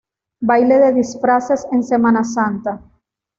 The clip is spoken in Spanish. Baile de disfraces en Semana Santa.